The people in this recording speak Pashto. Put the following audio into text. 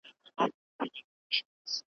اوس به ضرور د قربانۍ د چړې سیوری وینو .